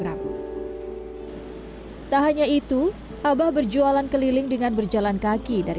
hai tak hanya itu abah berjualan keliling dengan berjalan kaki dari